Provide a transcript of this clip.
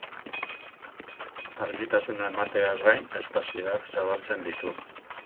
Argitasuna emateaz gain, espazioak zabaltzen ditu.